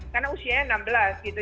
karena usianya enam belas gitu